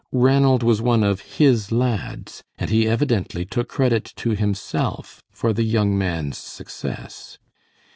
Ranald was one of "his lads," and he evidently took credit to himself for the young man's success.